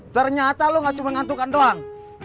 ternyata lo gak cuma ngantukan doang